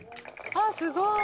あっすごい！